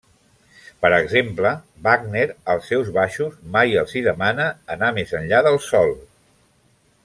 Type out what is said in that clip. Per exemple, Wagner als seus baixos mai els hi demana anar més enllà del sol.